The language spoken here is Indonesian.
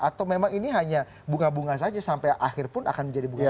atau memang ini hanya bunga bunga saja sampai akhir pun akan menjadi bunga